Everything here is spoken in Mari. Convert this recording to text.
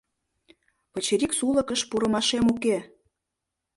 — Пычырик сулыкыш пурымашем уке.